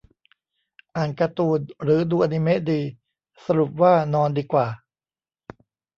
อ่านการ์ตูน หรือดูอนิเมะดี สรุปว่านอนดีกว่า